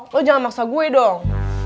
lo jangan maksa gue dong